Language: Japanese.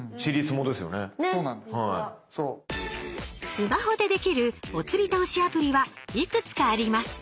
スマホでできるおつり投資アプリはいくつかあります。